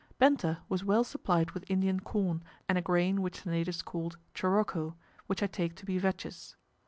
Benta was well supplied with Indian corn and a grain which the natives called choroko, which I take to be vetches.